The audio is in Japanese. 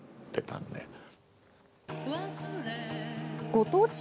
ご当地